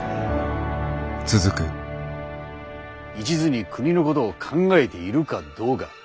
一途に国のことを考えているかどうか。